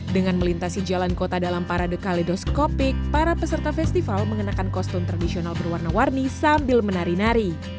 dengan melintasi jalan kota dalam parade kaledoskopik para peserta festival mengenakan kostum tradisional berwarna warni sambil menari nari